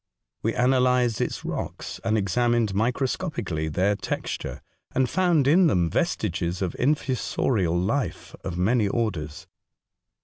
We analyzed its rocks, and examined micro scopically their texture, and found in them vestiges of infusorial life of many orders.